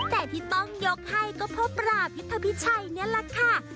แต่ที่ต้องยกให้ก็เพราะปราพิธภิชัยนี่แหละค่ะ